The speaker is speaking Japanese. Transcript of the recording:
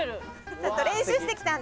ちょっと練習してきたんで。